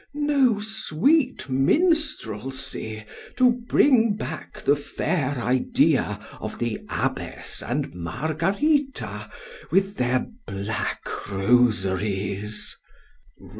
——no sweet minstrelsy to bring back the fair idea of the abbess and Margarita, with their black rosaries!